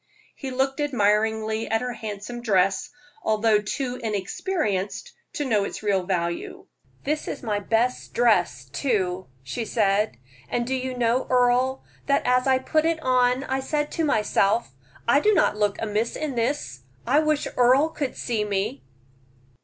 He looked admiringly at her handsome dress, although too inexperienced to know its real value. "This is my best dress, too," she said. "And do you know, Earle, that as I put it on I said to myself, I do not look amiss in this; I wish Earle could see me."